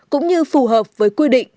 cũng như phù hợp với quy định